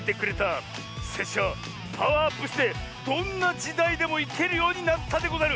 せっしゃはパワーアップしてどんなじだいでもいけるようになったでござる！